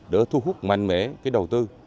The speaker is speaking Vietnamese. đã thu hút mạnh mẽ cái đầu tư